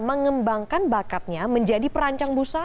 mengembangkan bakatnya menjadi perancang busa